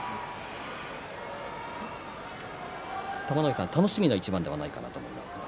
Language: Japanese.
玉ノ井さん、楽しみな一番ではないかと思いますが。